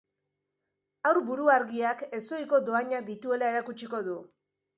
Haur buruargiak ezohiko dohainak dituela erakutsiko du.